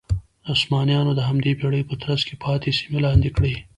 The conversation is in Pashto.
عثمانیانو د همدې پېړۍ په ترڅ کې پاتې سیمې لاندې کړې.